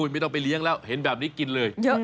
ไม่ต้องไปเลี้ยงแล้วเห็นแบบนี้กินเลย